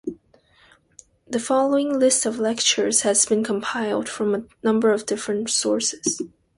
The following list of lectures has been compiled from a number of different sources.